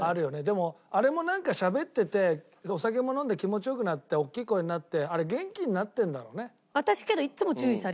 でもあれもなんかしゃべっててお酒も飲んで気持ち良くなっておっきい声になってあれ元気になってるんだろうね。